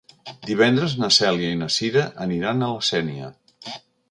Divendres na Cèlia i na Cira aniran a la Sénia.